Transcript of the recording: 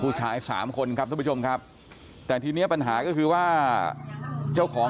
มึงเอาสักทีนี้สักทีเดียวนะอยากให้กูมาอีกนะเออ